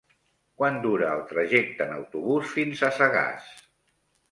Quant dura el trajecte en autobús fins a Sagàs?